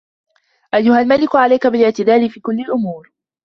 أَيُّهَا الْمَلِكُ عَلَيْك بِالِاعْتِدَالِ فِي كُلِّ الْأُمُورِ